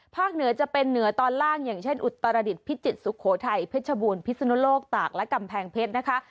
เหนือจะเป็นเหนือตอนล่างอย่างเช่นอุตรดิษฐพิจิตรสุโขทัยเพชรบูรณพิศนุโลกตากและกำแพงเพชรนะคะ